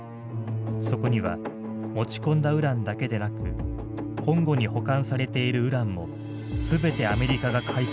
そこには持ち込んだウランだけでなくコンゴに保管されているウランも全てアメリカが買い取ると記されていた。